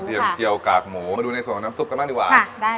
กระเทียมเจียวกากหมูมาดูในส่วนน้ำสุปกันมากดีกว่าค่ะได้เลย